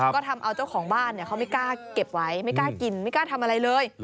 ก็ทำเอาเจ้าของบ้านเขาไม่กล้าเก็บไว้ไม่กล้ากินไม่กล้าทำอะไรเลย